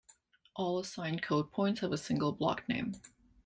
All assigned code points have a single block name.